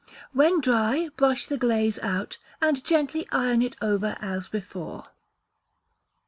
When dry, brush the glaze out, and gently iron it over as above. iii.